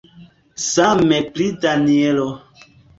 Same pri Danjelo.